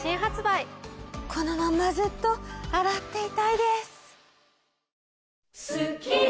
このままずっと洗っていたいです。